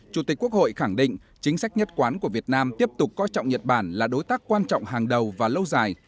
chủ tịch quốc hội khẳng định chính sách nhất quán của việt nam tiếp tục coi trọng nhật bản là đối tác quan trọng hàng đầu và lâu dài